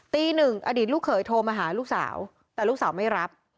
ตีหนึ่งอดีตลูกเขยโทรมาหาลูกสาวแต่ลูกสาวไม่รับ